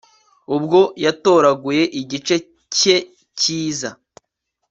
Ubwo yatoraguye igice cye cyiza